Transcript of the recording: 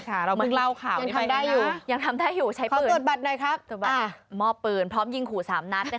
นี่ค่ะเราเพิ่งเล่าข่าวนี้ไปแล้วนะขอตรวจบัตรหน่อยครับมอบปืนพร้อมยิงขู่สามนัด